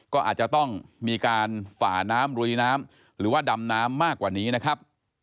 ก็อาจจะต้องมีการฝ่าน้ำลุยน้ำหรือว่าดำน้ำมากกว่านี้นะครับ